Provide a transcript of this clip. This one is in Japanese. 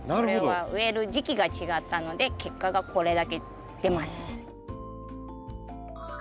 これは植える時期が違ったので結果がこれだけ出ます。